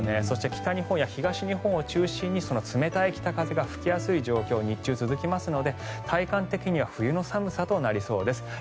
そして北日本や東日本を中心に冷たい北風が吹きやすい状況が日中続きますので体感的には冬の寒さとなりそうです。